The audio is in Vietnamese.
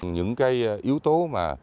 những cái yếu tố mà